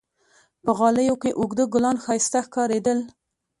په غالیو کې اوږده ګلان ښایسته ښکارېدل.